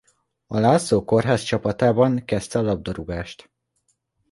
A László Kórház csapatában kezdte a labdarúgást.